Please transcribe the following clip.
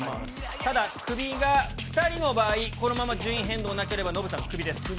ただ、クビが２人の場合、このまま順位変動なければ、ノブさん、クビです。